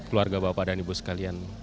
terima kasih bapak dan ibu sekalian